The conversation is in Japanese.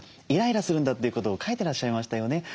イライラするんだということを書いてらっしゃいましたよね。